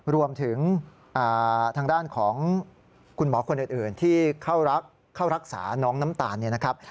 รวมถึงทางด้านของคุณหมอคนอื่นที่เข้ารักษาน้องน้ำตาลเนี่ยนะครับ